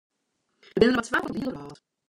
Dêr binne der mar twa fan op de hiele wrâld.